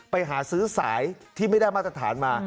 ไปหาซื้อสายที่ไม่ได้มาตรฐานมา